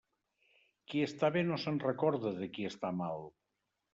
Qui està bé no se'n recorda de qui està mal.